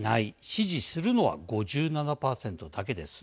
支持するのは、５７％だけです。